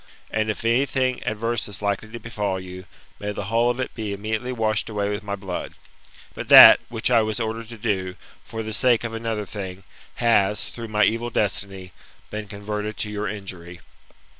And if anything adverse is likely to befall you, may the whole of it be immediately washed away with my blood ; but that which I was ordered to do, for the sake of another thing, has, through my evil destiny, been converted to your injury.